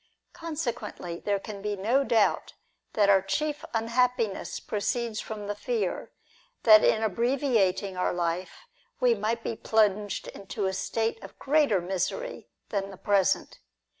Consequently, there can be no doubt that our chief unhappiness pro ceeds from the fear, that in abbreviating our life we might be plunged into a state of greater misery than the present.